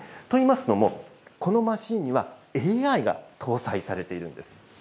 といいますのも、このマシーンには、ＡＩが搭載されているんです。